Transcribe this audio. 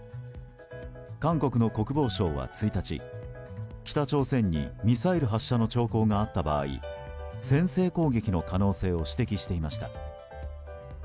韓国の国防相は１日、北朝鮮にミサイル発射の兆候があった場合先制攻撃の可能性を指摘していました。